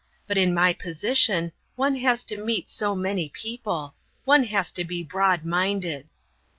But in my position one has to meet so many people. One has to be broadminded."